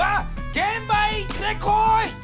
げん場へ行ってこい！